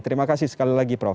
terima kasih sekali lagi prof